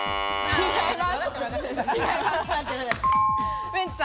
違います。